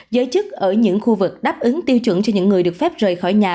giới chức ở những khu vực đáp ứng tiêu chuẩn cho những người được phép rời khỏi nhà